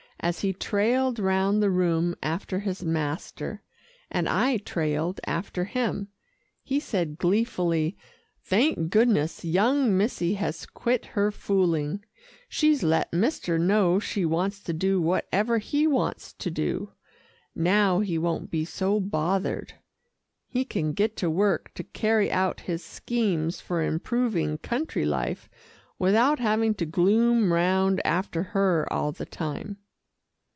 As he trailed round the room after his master, and I trailed after him, he said gleefully, "Thank goodness, young missie has quit her fooling. She's let mister know she wants to do whatever he wants to do. Now he won't be so bothered. He can get to work to carry out his schemes for improving country life without having to gloom round after her all the time."